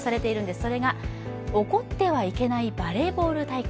それが、怒ってはいけないバレーボール大会。